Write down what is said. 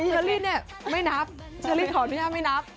เชอรี่เนี่ยไม่นับเชอรี่ขออนุญาตไม่นับ